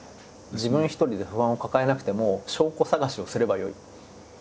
自分一人で不安を抱えなくても証拠探しをすればよい。